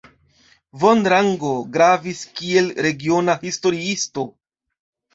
Von Rango gravis kiel regiona historiisto.